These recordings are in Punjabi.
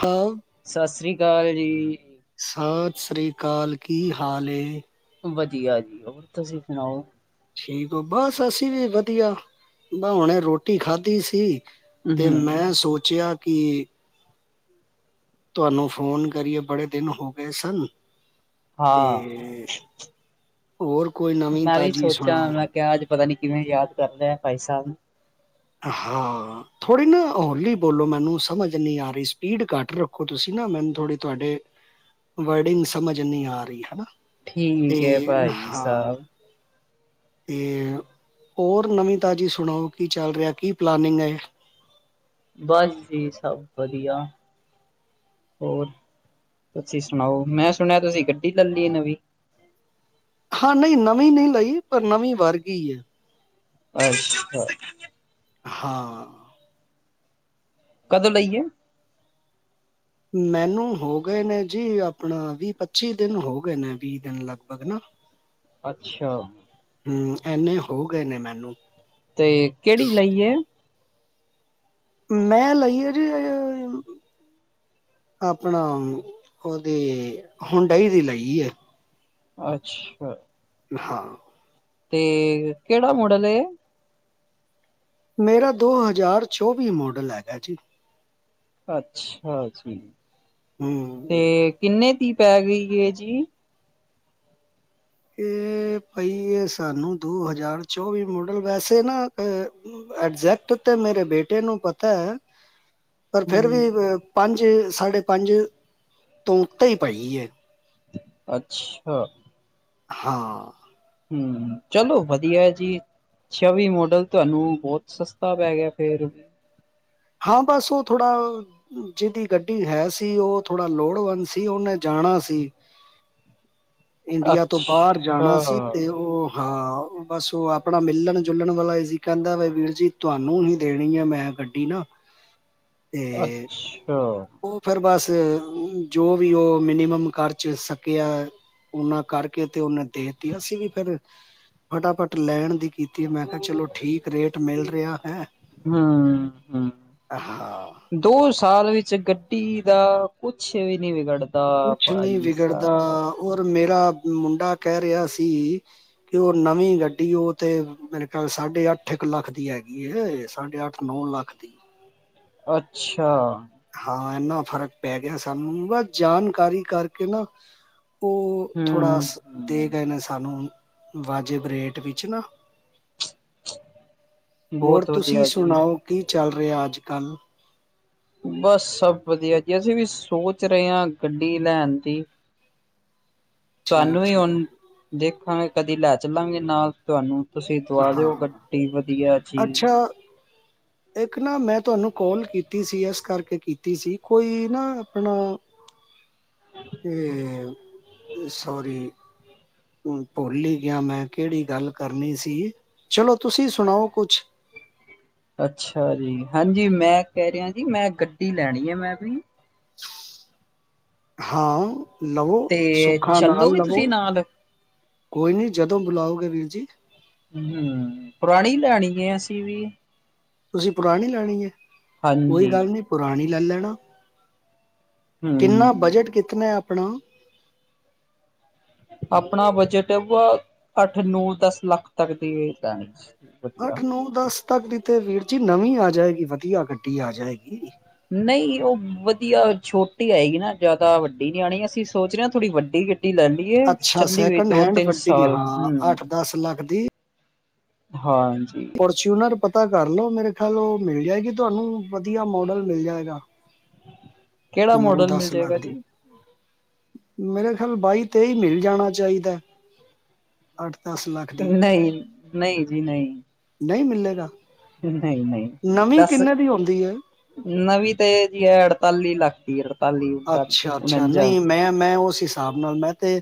ਹਾਂ ਸਤਿ ਸ੍ਰੀ ਅਕਾਲ ਜੀ, ਸਤਿ ਸ਼੍ਰੀ ਅਕਾਲ ਕੀ, ਹਾਲ ਚਾਲ ਐ? ਵਧੀਆ ਜੀ ਹੋਰ, ਤੁਸੀਂ ਸੁਣਾਓ? ਠੀਕ ਬਸ ਅਸੀਂ ਵੀ ਵਧੀਆ ਵੀ ਹੁਣੇ ਰੋਟੀ ਖਾਧੀ ਸੀ। ਤੇ ਹੂੰ। ਮੈਂ ਸੋਚਿਆ ਕਿ ਤੁਹਾਨੂੰ ਫੋਨ ਕਰੀਏ ਬੜੇ ਦਿਨ ਹੋ ਗਏ ਸਨ। ਤੇ ਹਾਂ, ਹੋਰ ਕੋਈ ਨਵੀਂ ਮੈਂ ਵੀ ਤਾਜ਼ੀ ਸੋਚਾਂ ਸੁਣਾਓ? ਮੈਂ ਕਿਹਾ ਅੱਜ ਪਤਾ ਨੀ ਕਿਵੇਂ ਯਾਦ ਕਰ ਲੈਆ ਭਾਈ ਸਾਹਿਬ। ਹਾਂ। ਥੋੜ੍ਹੀ ਨਾ ਹੋਲੀ ਬੋਲੋ ਮੈਨੂੰ ਸਮਝ ਨਹੀਂ ਆ ਰਹੀ ਸਪੀਡ ਘੱਟ ਰੱਖੋ ਤੁਸੀਂ ਨਾ ਮੈਨੂੰ ਥੋੜੀ ਤੁਹਾਡੇ ਵਰਡਿੰਗ ਸਮਝ ਨਹੀਂ ਆ ਰਹੀ ਹਨਾ। ਤੇ ਠੀਕ ਹੈ ਭਾਈ ਹਾਂ। ਸਾਹਿਬ, ਅਤੇ ਹੋਰ ਨਵੀਂ ਤਾਜ਼ੀ ਸੁਣਾਓ? ਕੀ ਚੱਲ ਰਿਹਾ, ਕੀ ਪਲਾਨਿੰਗ ਹੈ। ਬਸ ਜੀ ਸਭ ਵਧੀਆ। ਹੋਰ ਤੁਸੀਂ ਸੁਣਾਓ? ਮੈਂ ਸੁਣਿਆ ਤੁਸੀਂ ਗੱਡੀ ਲੈ ਲਈਏ ਨਵੀਂ? ਹਾਂ, ਨਹੀਂ ਨਵੀਂ ਨਹੀਂ ਲਾਈ। ਪਰ ਨਵੀਂ ਵਰਗੀ ਐ। ਅੱਛਾ ਹਾਂ, ਕਦੋਂ ਲਈਏ, ਮੈਨੂੰ ਹੋ ਗਏ ਨੇ, ਜੀ ਆਪਣਾ ਵੀਹ ਪੱਚੀ ਦਿਨ ਹੋ ਗਏ ਨੇ ਵੀਹ ਦਿਨ ਲਗਭਗ ਨਾ, ਅੱਛਾ, ਹੂੰ, ਇੰਨੇ ਹੋ ਗਏ ਨੇ ਮੈਨੂੰ ਤੇ ਕਿਹੜੀ ਲਈ ਹੈ ਮੈਂ ਲਾਈ ਆ ਜੀ, ਆਪਣਾ ਉਹਦੇ ਹੁੰਡਾਈ ਦੀ ਲਾਈ ਹੈ। ਅੱਛਾ, ਹਾਂ, ਤੇ ਕਿਹੜਾ ਮੋਡਲ ਐ? ਮੇਰਾ ਦੋ ਹਜ਼ਾਰ ਚੌਵੀ ਮੋਡਲ ਹੈਗਾ ਜੀ, ਅੱਛਾ ਜੀ, ਹੂੰ, ਤੇ ਕਿੰਨੇ ਦੀ ਪੈ ਗਈ ਹੈ ਜੀ, ਇਹ ਭਾਈ ਇਹ ਸਾਨੂੰ ਦੋ ਹਜ਼ਾਰ ਚੌਵੀ ਮਾਡਲ ਵੈਸੇ ਨਾ, ਐਗਜੈਕਟ ਤੇ ਮੇਰੇ ਬੇਟੇ ਨੂੰ ਪਤਾ ਹੈ, ਪਰ ਫੇਰ ਹੂੰ। ਵੀ ਪੰਜ ਸਾਢੇ ਪੰਜ ਤੋਂ ਉਤੇਈ ਪਾਈ ਹੈ। ਅੱਛਾ, ਹਾਂ, ਹੂੰ, ਚਲੋ ਵਧੀਆ ਜੀ, ਚੌਵੀ ਮੋਡਲ ਤੁਹਾਨੂੰ ਬਹੁਤ ਸਸਤਾ ਪੈ ਗਿਆ ਫੇਰ ਹਾਂ ਬਸ ਉਹ ਥੋੜਾ, ਜਿਹਦੀ ਗੱਡੀ ਹੈ ਸੀ, ਉਹ ਥੋੜਾ ਲੋੜਵੰਦ ਸੀ ਉਹਨੇ ਜਾਣਾ ਸੀ। ਇੰਡੀਆ ਤੋਂ ਬਾਹਰ ਅੱਛਾ ਜਾਣਾ ਸੀ, ਤੇ ਉਹ ਹਾਂ ਬਸ ਉਹ ਆਪਣਾ ਮਿਲਣ ਜੁਲਣ ਵਾਲਾ ਈ ਸੀ ਕਹਿੰਦਾ ਵੀ ਵੀਰ ਜੀ ਤੁਹਾਨੂੰ ਹੀ ਦੇਣੀ ਹੈ ਮੈਂ, ਗੱਡੀ ਨਾ ਤੇ, ਹਾਂ, ਉਹ ਫਿਰ ਬਸ ਜੋ ਵੀ ਉਹ ਮਿਨੀਮਮ ਕਰਚ ਸਕੇ ਆ। ਉਹਨਾਂ ਕਰਕੇ ਤੇ ਉਹਨੇ ਦੇਤੀ, ਅਸੀਂ ਵੀ ਫੇਰ ਫਟਾਫਟ ਲੈਣ ਦੀ ਕੀਤੀ। ਮੈਂ ਕਿਹਾ ਚਲੋ ਠੀਕ ਰੇਟ ਮਿਲ ਰਿਹਾ ਹੈ ਹੂੰ ਹੂੰ ਹਾਂ, ਦੋ ਸਾਲ ਵਿੱਚ ਗੱਡੀ ਦਾ ਕੁਛ ਵੀ ਨਹੀਂ ਵਿਗੜਦਾ ਕੁਛ ਨਹੀਂ ਵਿਗੜਦਾ [unintelligible] ਔਰ ਮੇਰਾ ਮੁੰਡਾ ਕਹਿ ਰਿਹਾ ਸੀ ਕਿ ਉਹ ਨਵੀਂ ਗੱਡੀ ਉਹ ਤੇ ਮੇਰੇਕਲ ਸਾਢੇ ਅੱਠ ਇੱਕ ਲੱਖ ਦੀ ਹੈਗੀ ਸਾਢੇ ਅੱਠ ਨੌ ਲੱਖ ਦੀ ਅੱਛਾ ਹਾਂ ਇਨਾ ਫ਼ਰਕ ਪੈ ਗਿਆ ਸਾਨੂੰ ਬਸ ਜਾਣਕਾਰੀ ਕਰਕੇ ਨਾ ਉਹ ਥੋੜ੍ਹਾ ਹੂੰ ਦੇ ਹੂੰ, ਗਏ ਨੇ ਸਾਨੂੰ ਵਾਜਿਬ ਰੇਟ ਵਿੱਚ ਨਾ ਹੋਰ ਬਹੁਤ ਤੁਸੀਂ ਵਧੀਆ ਜੀ। ਸੁਣਾਓ ਕੀ ਚੱਲ ਰਿਹਾ ਅੱਜ ਕੱਲ੍ਹ ਬਸ ਸਭ ਵਧੀਆ ਜੀ ਅਸੀਂ ਵੀ ਸੋਚ ਰਹੇ ਹਾਂ ਗੱਡੀ ਲੈਣ ਦੀ ਠੀਕ ਤੁਹਾਨੂੰ ਵੀ ਠੀਕ ਹੁਣ ਦੇਖਾਂਗੇ ਕਦੀ ਲੈ ਚੱਲਾਂਗੇ ਨਾਲ ਤੁਹਾਨੂੰ ਤੁਸੀਂ ਦਵਾ ਦਿਓ ਹਾਂ ਗੱਡੀ ਵਧੀਆ ਜੀ ਅੱਛਾ ਇੱਕ ਨਾ ਮੈਂ ਤੁਹਾਨੂੰ ਕੋਾਲ ਕੀਤੀ ਸੀ, ਇਸ ਕਰਕੇ ਕੀਤੀ ਸੀ ਕੋਈ ਨਾ ਆਪਣਾ ਤੇ ਸੋਰੀ, ਭੁੱਲ ਹੀ ਗਿਆ ਮੈਂ ਕਿਹੜੀ ਗੱਲ ਕਰਨੀ ਸੀ, ਚਲੋ ਤੁਸੀਂ ਸੁਣਾਓ ਕੁਛ? ਅੱਛਾ ਜੀ ਹਾਂਜੀ ਮੈਂ ਕਹਿ ਰਿਹਾ, ਜੀ ਮੈਂ ਗੱਡੀ ਲੈਣੀ ਹੈ ਮੈਂ ਵੀ ਹਾਂ ਲਵੋ ਤੇ ਸੁਖਾ ਨਾਲ ਚੱਲੋਗੇ ਲਵੋ ਤੁਸੀਂ ਨਾਲ ਕੋਈ ਨੀ ਜਦੋਂ ਬੁਲਾਓਗੇ ਵੀਰ ਜੀ ਹਮ ਪੁਰਾਣੀ ਲੈਣੀ ਹੈ ਅਸੀਂ ਵੀ ਤੁਸੀਂ ਪੁਰਾਣੀ ਲੈਣੀ ਹੈ ਕੋਈ ਹਾਂਜੀ ਗੱਲ ਨਹੀਂ ਪੁਰਾਣੀ ਲੈ ਲੈਣਾ ਕਿੰਨਾ ਹੂੰ ਬਜਟ ਕਿੱਤਨਾ ਆਪਣਾ ਆਪਣਾ ਬਜਟ ਅੱਠ ਨ ਦਸ ਲੱਖ ਤੱਕ ਦੀ ਵਧੀਆ ਅੱਠ ਨੌ ਦਸ ਤੱਕ ਦੀ ਤੇ ਵੀਰ ਜੀ ਨਵੀਂ ਆ ਜਾਏਗੀ ਵਧੀਆ ਗੱਡੀ ਆ ਜਾਏਗੀ ਨਹੀਂ ਉਹ ਵਧੀਆ ਛੋਟੀ ਆਏਗੀ ਨਾ ਜ਼ਿਆਦਾ ਵੱਡੀ ਨ ਆਉਣੀ ਅਸੀਂ ਸੋਚ ਰਹੇ ਹਾਂ ਥੋੜੀ ਵੱਡੀ ਗੱਡੀ ਲੈਣੀ ਅੱਛਾ ਚੱਲੀ ਹੋਈ ਸੈਕਿੰਡ ਦੋ ਹੈਂਡ ਤਿੰਨ ਵੱਡੀ ਸਾਲ ਹਾਂ ਹਮ ਅੱਠ ਦਸ ਲੱਖ ਦੀ ਹਾਂਜੀ ਫੋਰਚੂਨਰ ਪਤਾ ਕਰਲੋ ਮੇਰੇ ਖਿਆਲ ਉਹ ਮਿਲ ਜਾਏਗੀ ਤੁਹਾਨੂੰ ਵਧੀਆ ਮੋਡਲ ਮਿਲ ਜਾਏਗਾ ਕਿਹੜਾ ਨੌ ਮੋਡਲ ਮਿਲ ਦਸ ਲੱਖ ਜਾਏਗਾ ਦੀ ਜੀ ਮੇਰਾ ਖਿਆਲ ਬਾਈ ਤੇਈ ਮਿਲ ਜਾਣਾ ਚਾਹੀਦਾ ਅੱਠ ਦਸ ਲੱਖ ਦੀ ਨਹੀਂ ਨਹੀਂ ਜੀ ਨਹੀਂ ਨਹੀਂ ਮਿਲੇਗਾ ਨਹੀਂ ਨਵੀਂ ਕਿੰਨੇ ਦੀ ਆਉਂਦੀ ਹੈ ਨਵੀ ਤਾਂ ਇਹ ਜੀ ਹੈ ਅੜਤਾਲੀ ਲੱਖ ਦੀ ਅੜਤਾਲੀ ਉਨਤਾਲੀ ਅੱਛਾ ਅੱਛਾ ਉਣੰਜਾ ਨਹੀਂ ਮੈਂ ਮੈਂ ਉਸ ਹਿਸਾਬ ਨਾਲ ਮੈਂ ਤੇ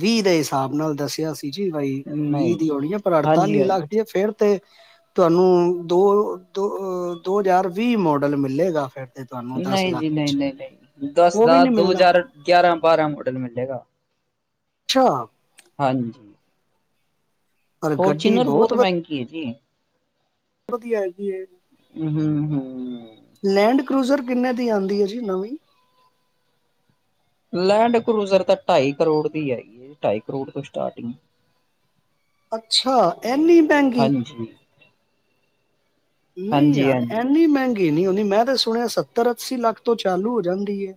ਵੀਹ ਦੇ ਹਿਸਾਬ ਨਾਲ ਦੱਸਿਆ ਸੀ ਜ ਬਾਈ ਵੀਹ ਨਹੀਂ ਦੀ ਆਉਣੀ ਆ ਪਰ ਹਾਂਜੀ ਅੜਤਾਲੀ ਲੱਖ ਹਾਂਜੀ ਫੇਰ ਤੇ ਤੁਹਾਨੂੰ ਦੋ ਦੋ ਦੋ ਹਜ਼ਾਰ ਵੀਹ ਮੋਡਲ ਮਿਲੇਗਾ ਫਿਰ ਤੇ ਤੁਹਾਨੂੰ ਨਹੀਂ ਲੱਖ ਜੀ ਨਹੀਂ ਵਿੱਚ ਨਹੀਂ ਨਹੀਂ ਦਸ ਉਹ ਵੀ ਦਾ ਨਹੀਂ ਦੋ ਮਿਲਣਾ ਹਜ਼ਾਰ ਗਿਆਰਾਂ ਬਾਰਾਂ ਮਾਡਲ ਮਿਲੇਗਾ ਅੱਛਾ ਹਾਂਜੀ ਪਰ ਗੱਡੀ ਫੋਰਚੂਨਰ ਬਹੁਤ ਵ- ਮਹਿੰਗੀ ਹੈ ਜੀ ਵਧੀਆ ਆ ਹੈ ਹੂੰ ਹੂੰ [unintelligible] ਲੈਂਡ ਕਰੂਜ਼ਰ ਕਿੰਨੇ ਦੀ ਆਉਂਦੀ ਹੈ ਜੀ ਨਵੀਂ ਲੈਂਡ ਕਰੂਜਰ ਤਾਂ ਢਾਈ ਕਰੋੜ ਦੀ ਹੈਗੀ ਹੈ ਢਾਈ ਕਰੋੜ ਤੋਂ ਸਟਾਰਟਿੰਗ ਅੱਛਾ ਐਨੀ ਮਹਿੰਗੀ [inaudible] [unintelligible] ਨਹੀਂ ਹਾਂਜੀ ਯਾਰ ਹਾਂਜੀ ਇੰਨੀ ਮਹਿੰਗੀ ਨਹੀਂ ਹੁੰਦੀ ਮੈਂ ਤਾਂ ਸੁਣਿਆ ਸੱਤਰ ਅੱਸੀ ਲੱਖ ਤੋਂ ਚਾਲੂ ਹੋ ਜਾਂਦੀ ਹੈ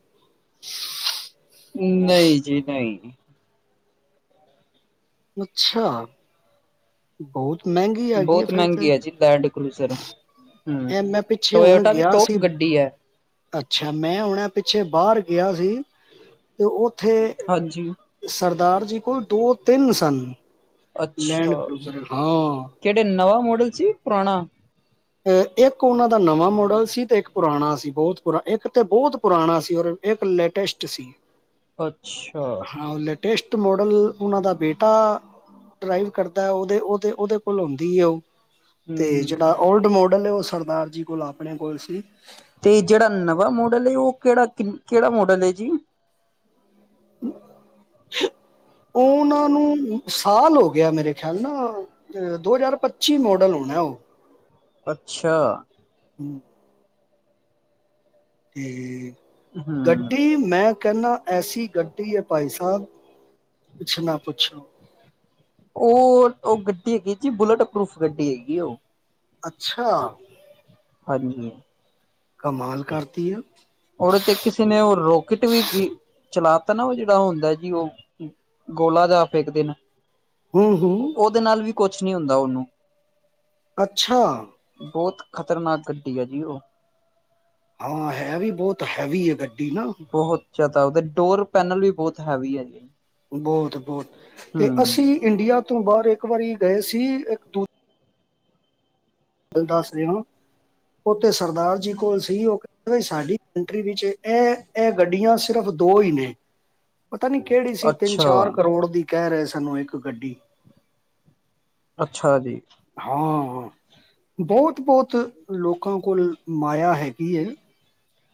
ਨਹੀਂ ਜੀ ਨਹੀਂ ਅੱਛਾ ਬਹੁਤ ਮਹਿੰਗੀ ਹੈਗੀ ਆ ਬਹੁਤ ਫਿਰ ਤੇ ਮਹਿੰਗੀ ਹੈ ਜੀ ਲੈਂਡ ਕਰੂਜ਼ਰ ਹੂੰ ਇਹ ਮੈਂ ਪਿੱਛੇ ਹੁਣ ਟੋਇਟਾ ਦੀ ਗਿਆ ਸੀ ਟੋਪ ਗੱਡੀ ਹੈ ਅੱਛਾ ਮੈਂ ਹੁਣਾ ਪਿੱਛੇ ਬਾਹਰ ਗਿਆ ਸੀ ਤੇ ਉੱਥੇ ਹਾਂਜੀ ਸਰਦਾਰ ਜੀ ਕੋਲ ਦੋ ਤਿੰਨ ਸਨ ਲੈਂਡ ਅੱਛਾ, ਕਰੂਜ਼ਰ ਹਾਂ ਕਿਹੜੇ ਨਵਾਂ ਮੋਡਲ ਸੀ ਪੁਰਾਣਾ? ਇੱਕ ਉਹਨਾਂ ਦਾ ਨਵਾਂ ਮੋਡਲ ਸੀ ਤੇ ਇੱਕ ਪੁਰਾਣਾ ਸੀ ਬਹੁਤ ਪੁਰਾ ਇੱਕ ਤੇ ਬਹੁਤ ਪੁਰਾਣਾ ਸੀ ਔਰ। ਇੱਕ ਲੈਟੈਸਟ ਸੀ ਅੱਛਾ ਹਾਂ ਉਹ ਲ। ਟੈਸਟ ਮੋਡਲ ਉਹਨਾਂ ਦਾ ਬੇਟਾ। ਡਰਾਈਵ ਕਰਦਾ ਉਹਦੇ ਉਹਦੇ ਉਹਦੇ ਕੋਲ ਆਉਂਦੀ ਹੈ ਉਹ ਤੇ ਹੂੰ ਜਿਹੜਾ ਓਲਡ ਮੋਡਲ ਹੈ ਉਹ ਸਰਦਾਰ ਜੀ ਕੋਲ ਆਪਣੇ ਕੋਲ ਸੀ ਤੇ ਜਿਹੜਾ ਨਵਾਂ ਮਾਡਲ ਹੈ ਉਹ ਕਿਹੜਾ ਕਿ ਕਿਹੜਾ ਮਾਡਲ ਹੈ ਜੀ ਉਹਨਾਂ ਨੂੰ ਸਾਲ ਹੋ ਗਿਆ ਮੇਰੇ ਖਿਆਲ ਨਾ ਦੋ ਹਜ਼ਾਰ ਪੱਚੀ ਮੋਡਲ ਹੋਣਾ ਉਹ ਅੱਛਾ ਹਮ ਅਤੇ ਹੂੰ ਗੱਡੀ ਮੈਂ ਕਹੰਨਾ ਐਸੀ ਗੱਡੀ ਹੈ ਭਾਈ ਸਾਹਿਬ ਕੁੱਛ ਨਾ ਪੁੱਛੋ ਉਹ ਉਹ ਗੱਡੀ ਹੈਗੀ ਜੀ ਬੁਲੇਟ ਪਰੂਫ ਗੱਡੀ ਹੈਗੀ ਉਹ ਅੱਛਾ। ਹਾਂਜੀ ਕਮਾਲ ਕਰਤੀ ਆ। ਹੋਰ ਉੱਥੇ ਕਿਸੇ ਨੇ ਉਹ ਰੋਕਟ ਵੀ ਚਲਾ ਤ ਨਾ ਉਹ ਜਿਹੜਾ ਹੁੰਦਾ ਜੀ ਉਹ। ਗੋਲਾ ਜਾ ਆਪੇ ਇੱਕ ਦਿਨ। ਹੂੰ ਹੂੰ ਉਹਦੇ ਨਾਲ ਵੀ ਕੁਛ ਨਹੀਂ ਹੁੰਦਾ ਉਹਨੂੰ। ਅੱਛਾ। ਬਹੁਤ ਖ਼ਤਰਨਾਕ ਗੱਡੀ ਆ ਜੀ ਉਹ ਹਾਂ ਹੈ ਵੀ ਬਹੁਤ ਹੈਵੀ ਆ ਗੱਡੀ ਨਾ। ਬਹੁਤ ਜ਼ਿਆਦਾ ਉਹਦੇ ਡੋਰ ਪੈਨਲ ਵੀ ਬਹੁਤ ਹੈਵੀ ਹੈ ਜੀ। ਬਹੁਤ ਬਹੁਤ ਤੇ ਹਮ ਅਸੀਂ ਇੰਡੀਆ ਤੋਂ ਬਾਹਰ ਇੱਕ ਵਾਰੀ ਗਏ ਸੀ ਇੱਕ ਦੂਜ। ਦੱਸਦੇ ਓ ਉਥੇ ਤੇ ਸਰਦਾਰ ਜੀ ਕੋਲ ਸੀ। ਉਹ ਸਾਡੀ ਕੰਟਰੀ ਵਿੱਚ ਇਹ ਇਹ ਗੱਡੀਆਂ ਸਿਰਫ ਦੋ ਹੀ ਨੇ। ਪਤਾ ਨੀ ਕਿਹੜੀ ਸੀ ਤਿੰਨ ਅੱਛਾ ਚਾਰ ਕਰੋੜ ਦੀ ਕਹਿ ਰਹੇ ਸਨ ਇੱਕ ਗੱਡੀ ਅੱਛਾ ਜੀ। ਹਾਂ ਹਾਂ। ਬਹੁਤ ਬਹੁਤ ਲੋਕਾਂ ਕੋਲ ਮਾਇਆ ਹੈਗੀ ਹੈ।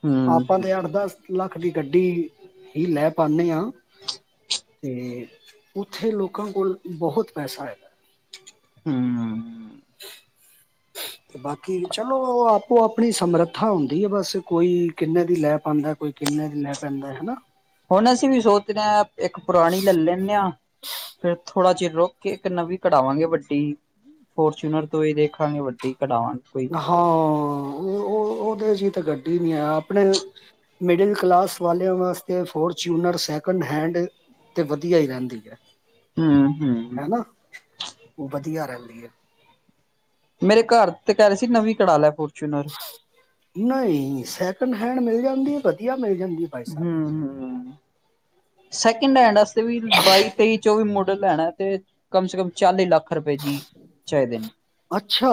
ਹਮ ਆਪਾਂ ਤੇ ਅੱਠ ਦਸ ਲੱਖ ਦੀ ਗੱਡੀ ਹੀ ਲੈ ਪਾਉਦੇ ਹਾਂ। ਅਤੇ ਉੱਥੇ ਲੋਕਾਂ ਕੋਲ ਬਹੁਤ ਪੈਸਾ ਏ। ਹਮ ਤੇ ਬਾਕੀ ਚਲੋ ਆਪੋ ਆਪਣੀ ਸਮਰੱਥਾ ਹੁੰਦੀ ਹੈ। ਬਸ ਕੋਈ ਕਿੰਨੇ ਦੀ ਲੈ ਪਾਉਂਦਾ। ਕੋਈ ਕਿੰਨੇ ਦੀ ਲੈ ਪੈਂਦਾ ਹਨਾ। ਹੁਣ ਅਸੀਂ ਵੀ ਸੋਚ ਰਹੇ ਹਾਂ ਇੱਕ ਪੁਰਾਣੀ ਲੈ ਲੈਂਨੇ ਹਾਂ ਫਿਰ। ਥੋੜਾ ਚਿਰ ਰੁਕ ਕੇ ਇਕ ਨਵੀਂ ਕਢਾਵਾਂਗੇ ਵੱਡੀ। ਫੋਰਚੂਨਰ ਤੋਂ ਹੀ ਦੇਖਾਂਗੇ ਵੱਡੀ ਕਢਾਵਾਗੇ। ਹਾਂ ਉਹ ਉਹ ਉਹਦੇ ਚ ਤਾਂ ਗੱਡੀ ਨਹੀਂ ਆਇਆ ਆਪਣੇ ਮਿਡਲ ਕਲਾਸ ਵਾਲਿਆਂ ਵਾਸਤੇ ਫੋਰਚੂਨਰ ਸੈਕਿੰਡ ਹੈਂਡ। ਤੇ ਵਧੀਆ ਹੀ ਰਹਿੰਦੀ ਹੈ। ਹਮ ਹਮ ਹਨਾ ਉਹ ਵਧੀਆ ਰਹਿੰਦੀ ਹੈ। ਮੇਰੇ ਘਰ ਤੇ ਕਹਿ ਰਹੇ ਸੀ ਨਵੀਂ ਕਢਾ ਲੈ ਫੋਰਚੂਨਰ। ਨਹੀਂ, ਸੈਕਿੰਡ ਹੈਂਡ ਮਿਲ ਜਾਂਦੀ ਵਧੀਆ ਮਿਲ ਜਾਂਦੀ। ਭਾਈ ਸਾਹਿਬ ਹਮ ਹਮ ਸੈਕਿੰਡ ਹੈਂਡ ਵਾਸਤੇ ਵੀ ਬਾਈ ਤੇਈ ਚੌਵੀ ਮੋਡਲ। ਲੈਣਾ ਤੇ ਕਮ ਸੇ ਕਮ ਚਾਲੀ ਲੱਖ। ਪਏ ਜੀ, ਚ ਦਿਨ ਅੱਛਾ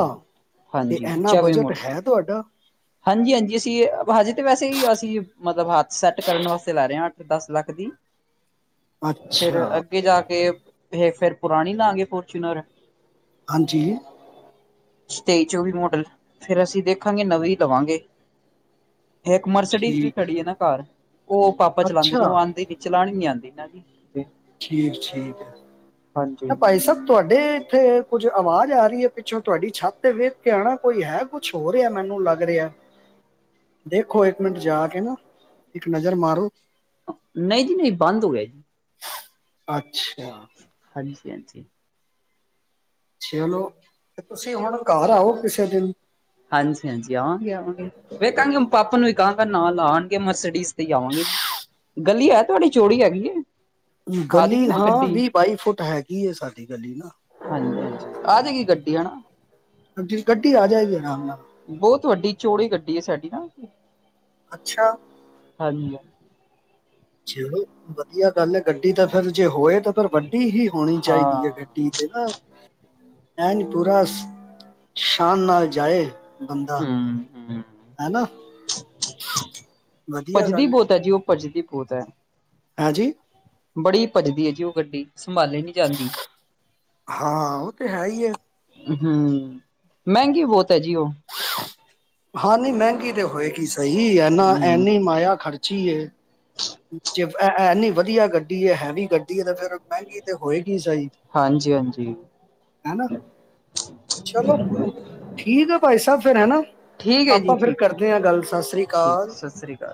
ਤੇ ਹਾਂਜੀ ਇਨਾ ਚੌਵੀ ਬਜਟ ਮੁੜ ਹੈ ਤੁਹਾਡਾ, ਹਾਂਜੀ-ਹਾਂਜੀ ਅਸੀਂ ਹਜੇ ਤਾਂ ਵੈਸੇ ਹੀ, ਅਸੀਂ ਮਤਲਬ ਹੱਥ ਸੈੱਟ ਕਰਨ ਵਾਸਤੇ ਲੈ ਰਹੇ ਹਾਂ ਅੱਠ ਦਸ ਲੱਖ ਦੀ। [unintelligible] ਫੇਰ ਅੱਗੇ ਜਾ ਕੇ ਇਹ ਫਿਰ ਪੁਰਾਣੀ ਲਾਂਗੇ ਫੋਰਚੂਨਰ ਹਾਂਜੀ। ਤੇਈ ਚੌਵੀ ਮਾਡਲ ਫਿਰ ਅਸੀਂ ਦੇਖਾਂਗੇ ਨਵੀਂ ਲਵਾਂਗੇ। ਇੱਕ ਮਰਸਡੀਜ਼ ਵੀ ਠੀਕ ਖੜੀ ਹੈ ਨਾ ਘਰ ਉਹ ਪਾਪਾ ਚਲਾਉਂਦੇ ਨੇ। ਉਹ ਅੱਛਾ ਆਉਂਦੇ ਨ ਚਲਾਣੀ ਨੀ ਆਉਂਦੀ ਨਾ। ਠੀਕ ਠੀਕ ਹਾਂਜੀ ਹੈ ਭਾਈ ਹਾਂਜੀ ਸਾਬ। ਤੁਹਾਡੇ ਇੱਥੇ ਕੁੱਝ ਆਵਾਜ਼ ਆ ਰਹੀ ਹੈ ਪਿੱਛੋਂ ਤੁਹਾਡੀ ਛੱਤ ਤੇ ਵੇਖ ਕੇ ਆਉਣਾ ਕੋਈ ਹੈ। ਕੁਛ ਹੋ ਰਿਹਾ ਮੈਨੂੰ ਲੱਗ ਰਿਹਾ। ਦੇਖੋ ਇੱਕ ਮਿੰਟ ਜਾ ਕੇ ਨਾ ਇੱਕ ਨਜ਼ਰ ਮਾਰੋ। ਨਹੀਂ ਜੀ ਨਹੀਂ ਬੰਦ ਹੋਵੇ। ਅੱਛਾ ਹਾਂਜੀ ਹਾਂਜੀ। ਛਲੋ, ਤੇ ਤੁਸੀਂ ਹੁਣ ਹਾਂਜੀ-ਹਾਂਜੀ, ਆਵਾਂਗੇ-ਆਵਾਂਗੇ ਵੇਖਾਂਗੇ। ਪਾਪਾ ਨੂੰ ਵੀ ਕਹਾਂਗਾ, ਨਾ ਲਾਉਣਗੇ ਮਰਸਡੀਜ਼ ਤੇ ਆਵਾਂਗੇ ਜੀ। ਗਲੀ ਹੈ ਤੁਹਾਡੀ ਚੋੜੀ ਹੈਗੀ ਏ, ਗਲੀ ਹਾਂ ਵੀਹ ਬਾਈ ਫੁੱਟ ਹੈਗੀ ਹੈ, ਸਾਡੀ ਗਲੀ ਨਾ, ਹਾਂਜੀ, ਹਾਂਜੀ ਆ ਜਾਏਗੀ ਗੱਡੀ ਹਨਾ, ਗੱਡੀ ਆ ਜਾਏਗੀ ਆਰਾਮ ਨਾਲ, ਬਹੁਤ ਵੱਡੀ ਚੋੜੀ ਗੱਡੀ ਹੈ ਸਾਡੀ ਨਾ, ਅੱਛਾ, ਹਾਂਜੀ, ਚਲੋ ਵਧੀਆ ਗੱਲ ਹੈ, ਗੱਡੀ ਤਾਂ ਫੇਰ ਜੇ ਹੋਏ ਤਾਂ ਫੇਰ ਵੱਡੀ ਹੀ ਹੋਣੀ ਚਾਹੀਦੀ ਹੈ ਹਾਂ ਗੱਡੀ ਤੇ ਨਾ ਐਨ ਪੂਰਾ ਸ਼ਾਨ ਨਾਲ ਜਾਏ। ਬੰਦਾ ਹਮ ਹਮ ਹੈਨਾ ਵਧੀਆ ਗੱਲ ਏ, ਪੰਜਦੀ ਬਹੁਤ ਹੈ। ਹਾਂਜੀ, ਬੜੀ ਭੱਜਦੀ ਹੈ ਜੀ, ਉਹ ਗੱਡੀ ਸੰਭਾਲੀ ਨੀ ਜਾਂਦੀ। ਹਾਂ ਉਹ ਤੇ ਹੈ ਹੀ ਹੈ ਹੂੰ ਮਹਿੰਗੀ ਬਹੁਤ ਹੈ ਜੀ ਉਹ ਹਾਂ ਨਹੀਂ ਮਹਿੰਗੀ ਤੇ ਹੋਏਗੀ ਸਹੀ ਐਨਾ ਹਮ ਐਨੀ ਮਾਇਆ ਖਰਚੀ, ਜੇ ਇਨੀ ਵਧੀਆ ਗੱਡੀ ਹੈ, ਹੈਵੀ ਗੱਡੀ ਹੈ ਤੇ ਫੇਰ ਮਹਿੰਗੀ ਤੇ ਹੋਏਗੀ ਸਹੀ। ਹਾਂਜੀ, ਹਾਂਜੀ। ਹਨਾ ਚਲੋ ਠੀਕ ਆ ਭਾਈ ਸਾਹਿਬ ਫਿਰ ਹਨਾ, ਠੀਕ ਹੈ ਜੀ ਆਪਾਂ ਫਿਰ ਠੀਕ ਕਰਦੇ ਹਾਂ ਗੱਲ ਸਤਿ ਸ੍ਰੀ ਠੀਕ ਅਕਾਲ, ਸਤਿ ਸ੍ਰੀ ਅਕਾਲ